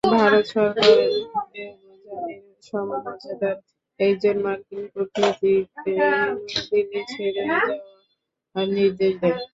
ভারত সরকার দেবযানীর সমমর্যাদার একজন মার্কিন কূটনীতিককে নয়াদিল্লি ছেড়ে যাওয়ার নির্দেশ দেয়।